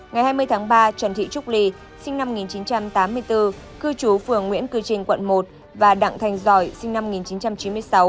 ngày hai mươi tháng ba trần thị trúc ly sinh năm một nghìn chín trăm tám mươi bốn cư trú phường nguyễn cư trình quận một và đặng thành giỏi sinh năm một nghìn chín trăm chín mươi sáu